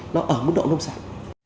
nó ở mức độ nông sản